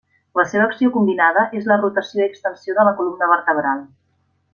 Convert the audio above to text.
La seva acció combinada és la rotació i extensió de la columna vertebral.